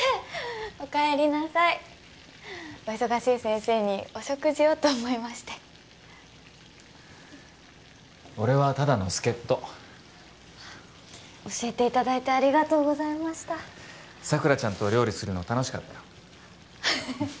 おかえりなさいお忙しい先生にお食事をと思いまして俺はただの助っ人教えていただいてありがとうございました佐倉ちゃんと料理するの楽しかったよ